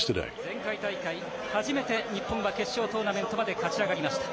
前回大会、初めて日本は決勝トーナメントまで勝ち上がりました。